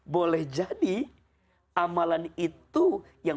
boleh jadi amalan itu yang mengundang datangnya kebaikan